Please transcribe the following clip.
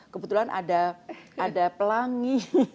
kebetulan ada pelangi